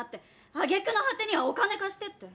揚げ句の果てにはお金貸してって。